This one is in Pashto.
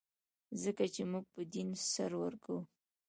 ځکه چې موږ په دین سر ورکوو.